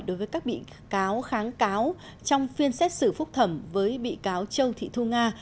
đối với các bị cáo kháng cáo trong phiên xét xử phúc thẩm với bị cáo châu thị thu nga